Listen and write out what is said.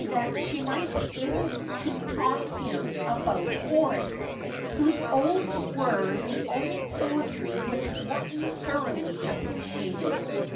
331 she might be able to talk him about Horace, whose odes were the only poetry which Morton thoroughly appreciated.